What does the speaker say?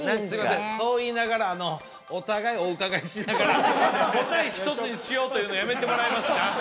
そう言いながらお互いお伺いしながら答え一つにしようというのはやめてもらえますか？